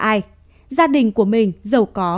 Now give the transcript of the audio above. ai gia đình của mình giàu có